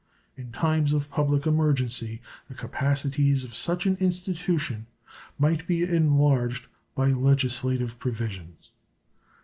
In times of public emergency the capacities of such an institution might be enlarged by legislative provisions.